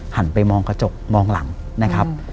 หันไปมองกระจกมองหลังนะครับ